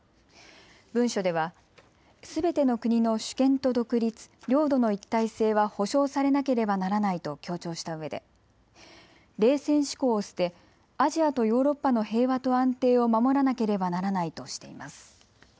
文書ではすべての国の主権と独立、領土の一体性は保障されなければならないと強調したうえで冷戦思考を捨てアジアとヨーロッパの平和と安定を守らなければならないとしています。